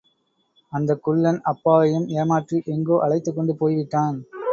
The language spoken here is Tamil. அந்தக் குள்ளன் அப்பாவையும் ஏமாற்றி எங்கோ அழைத்துக்கொண்டு போய்விட்டான்.